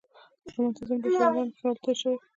د رومانتیزم له شاعرانه خیالاتو تېر شول.